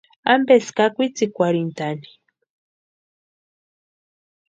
¿Ampeski akwitsikwarhintʼani?